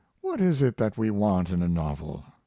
What is it that we want in a novel?